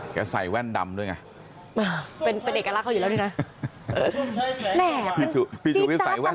แกใส่แว่นดำด้วยไงเป็นเป็นเอกลักษณ์เขาอยู่แล้วด้วยนะแน่มัน